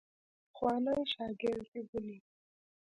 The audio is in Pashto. پخوانی شاګرد ونیوی.